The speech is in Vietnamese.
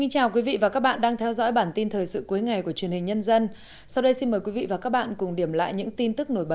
hãy đăng ký kênh để ủng hộ kênh của chúng mình nhé